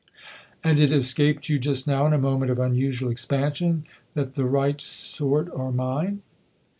"And it escaped you just now, in a moment of unusual expansion, that the right sort are mine